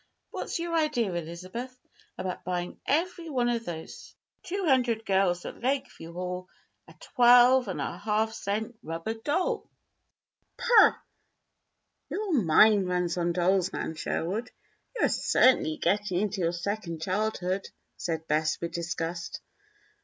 What's your idea, Elizabeth, about buying every one of the two hundred girls at Lakeview Hall a twelve and a half cent rubber doll?" "Doll? Pah! your mind runs on dolls, Nan Sherwood. You are certainly getting into your second childhood," said Bess, with disgust.